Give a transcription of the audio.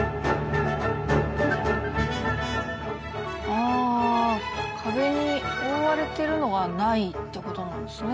ああ壁に覆われてるのがないって事なんですね。